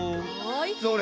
それ！